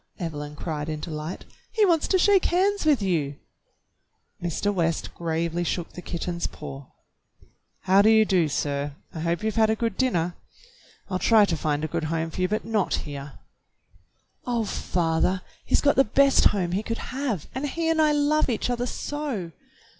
Evelyn cried in delight, "he wants to shake hands with you !" Mr. West gravely shook the kitten's paw. "How do you do, sir.^^ I hope you've had a good dinner. I'll try to find a good home for you, but not here." "Oh, father, he's got the best home he could have, and he and I love each other so